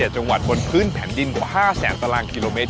๗๗จังหวัดบนพื้นแผนดิน๕๐๐๐๐๐ตารางกิโลเมตร